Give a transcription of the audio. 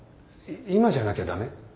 今じゃなきゃ駄目？